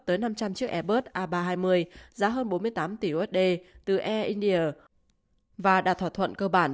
tới năm trăm linh chiếc airbus a ba trăm hai mươi giá hơn bốn mươi tám tỷ usd từ air india và đạt thỏa thuận cơ bản